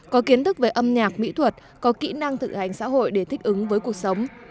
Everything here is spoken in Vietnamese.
có kiến thức về âm nhạc mỹ thuật có kỹ năng thực hành xã hội để thích ứng với cuộc sống